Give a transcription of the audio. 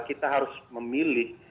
kita harus memilih